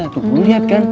tuh lu liat kan